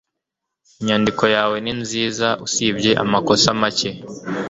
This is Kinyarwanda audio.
Inyandiko yawe ni nziza usibye amakosa make.